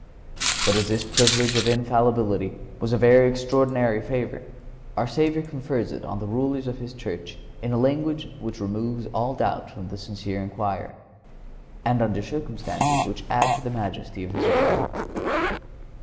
But as this privilege of Infallibility was a very extraordinary favor, our Savior confers it on the rulers of His Church in language which removes all doubt from the sincere inquirer, and under circumstances which add to the majesty of His word.